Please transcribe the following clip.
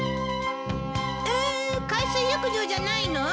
え海水浴場じゃないの？